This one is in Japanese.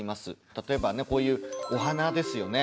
例えばねこういうお花ですよね。